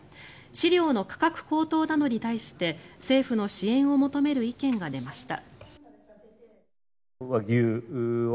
飼料の価格高騰などに対して政府の支援を求める意見が出ました。